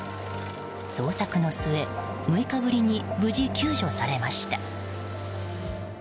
捜索の末、６日ぶりに無事救助されました。